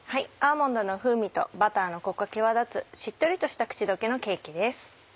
アーモンドの風味とバターのコクが際立つしっとりとした口溶けのケーキです。